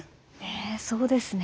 そうですね。